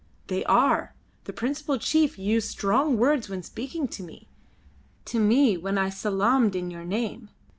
"They are. The principal chief used strong words when speaking to me to me when I salaamed in your name.